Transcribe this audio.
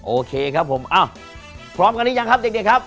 โอเคครับผมพร้อมกันหรือยังครับเด็กครับ